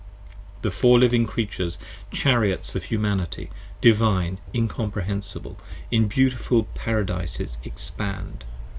The Four Living Creatures, Chariots of Humanity, Divine, Incomprehensible, 25 In beautiful Paradises expand.